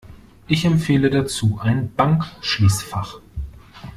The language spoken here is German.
Ich empfehle dazu ein Bankschließfach.